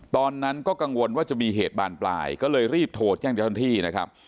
ตอนนั้นก็กังวลว่าจะมีเหตุบานปลายก็เลยรีบโทรแจ้งเจ้าหน้าที่นะครับ